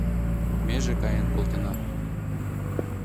Меже каен колтена